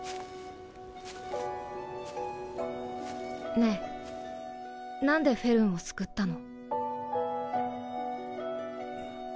ねぇ何でフェルンを救ったの？